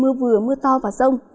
mưa vừa mưa to và rông